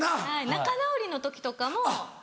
仲直りの時とかも。